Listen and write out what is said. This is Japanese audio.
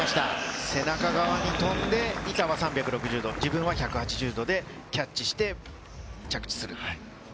背中側に飛んで板は３６０度、自分は１８０度でキャッチして着地する。